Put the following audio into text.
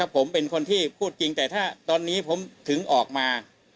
ผมเป็นคนที่พูดจริงแต่ถ้าตอนนี้ผมถึงออกมา